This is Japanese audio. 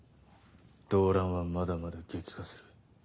動乱はまだまだ激化する。